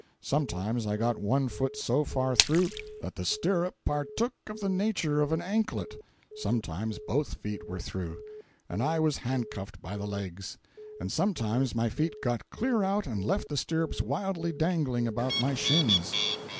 Sometimes I got one foot so far through, that the stirrup partook of the nature of an anklet; sometimes both feet were through, and I was handcuffed by the legs; and sometimes my feet got clear out and left the stirrups wildly dangling about my shins.